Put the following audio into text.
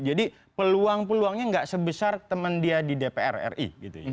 jadi peluang peluangnya nggak sebesar temen dia di dpr ri